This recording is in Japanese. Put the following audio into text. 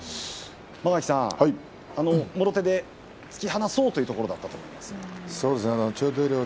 間垣さん、もろ手で突き放そうというところだったと思うんですけども。